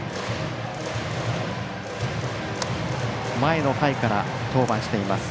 前の回から登板しています。